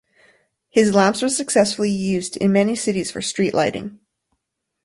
His lamps were successfully used in many cities for street lighting.